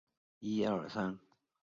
有子萧士赟。